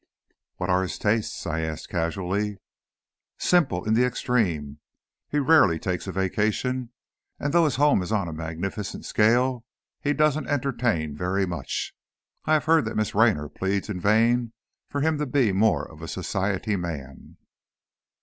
"What are his tastes?" I asked, casually. "Simple in the extreme. He rarely takes a vacation, and though his home is on a magnificent scale, he doesn't entertain very much. I have heard that Miss Raynor pleads in vain for him to be more of a society man."